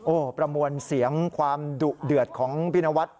โอ้โหประมวลเสียงความดุเดือดของพี่นวัด